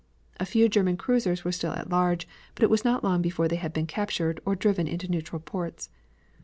A few German cruisers were still at large but it was not long before they had been captured, or driven into neutral ports.